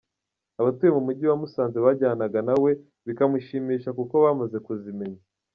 Abatuye mu Mujyi wa Musanze bajyanaga na we bikamushimisha kuko bamaze kuzimenya.